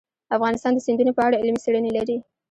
افغانستان د سیندونه په اړه علمي څېړنې لري.